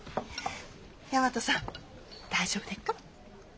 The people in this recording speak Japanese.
大和さん大丈夫でっか？